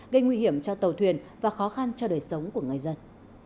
gây nguy hiểm cho tàu thuyền và khó khăn cho đời sống của người dân